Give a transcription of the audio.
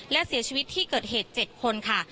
และเสียชีวิตที่เกิดเหตุ๗คนค่ะ